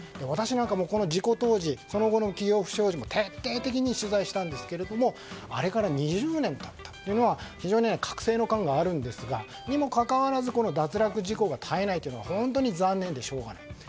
私なんか事故当時その後の企業不祥事も徹底的に取材したんですがあれから２０年経った。というのは非常に隔世の感があるんですがそれにもかかわらず脱落事故が増えないというのは本当に残念でしょうがない。